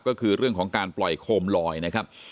ก็คือเรื่องของการปล่อยโคมลอยนะครับ